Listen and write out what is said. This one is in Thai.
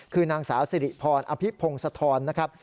คือนางสาวสิริพรอภิพงศธรนะครับ